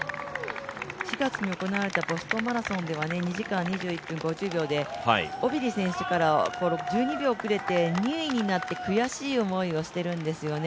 ４月に行われたボストンマラソンでは２時間２１分５０秒で、敗れて２位になって悔しい思いをしているんですね。